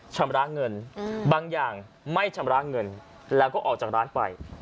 ชำระเงินบางอย่างไม่ชำระเงินแล้วก็ออกจากร้านไป